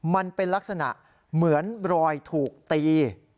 มันเป็นลักษณะเหมือนรอยถูกตี